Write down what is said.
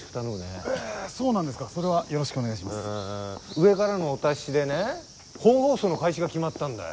上からのお達しでね本放送の開始が決まったんだよ。